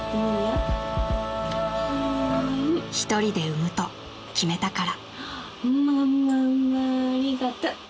［ひとりで産むと決めたから］